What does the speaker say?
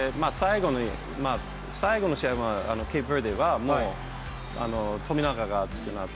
最後の試合のキープレーヤーは、もう富永が熱くなって。